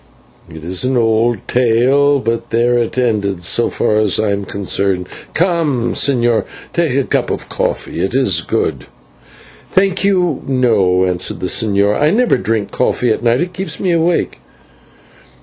It is an odd tale, but there it ended so far as I am concerned. Come, señor, take a cup of coffee, it is good." "Thank you, no," answered the señor, "I never drink coffee at night, it keeps me awake."